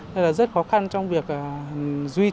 nên là rất khó khăn trong việc duy trì